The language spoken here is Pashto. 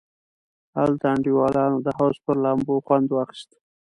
هلته انډیوالانو د حوض پر لامبو خوند واخیست.